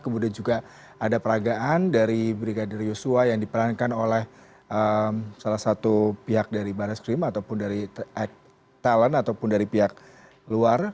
kemudian juga ada peragaan dari brigadir yosua yang diperankan oleh salah satu pihak dari barat skrim ataupun dari talent ataupun dari pihak luar